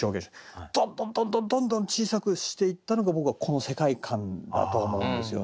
どんどんどんどんどんどん小さくしていったのが僕はこの世界観だと思うんですよね。